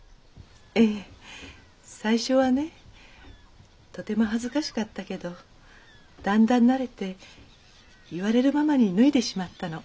ええ最初はねとても恥ずかしかったけどだんだん慣れて言われるままに脱いでしまったの。